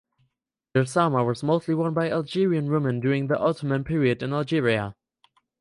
The Sarma was mostly worn by Algerian women during the Ottoman period in Algeria.